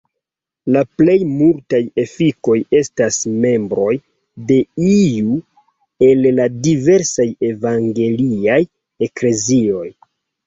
La plej multaj efikoj estas membroj de iu el la diversaj evangeliaj eklezioj.